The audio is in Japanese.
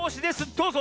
どうぞ！